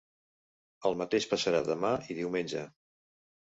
El mateix passarà demà i diumenge.